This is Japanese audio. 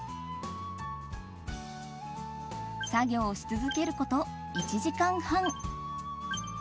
作業し続けること１時間半。